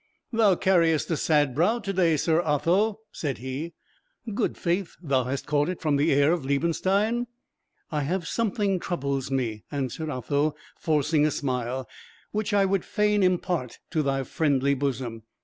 "Thou carriest a sad brow to day, Sir Otho," said he; "good faith, thou hast caught it from the air of Liebenstein." "I have something troubles me," answered Otho, forcing a smile, "which I would fain impart to thy friendly bosom.